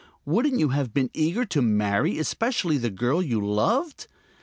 Wouldn't you have been eager to marry, especially the girl you loved?